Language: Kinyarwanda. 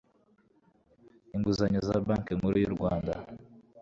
inguzanyo za banki nkuru y'urwanda